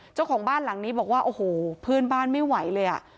เจ้าของบ้านหลังนี้บอกว่าโอ้โหเพื่อนบ้านไม่ไหวเลยอ่ะ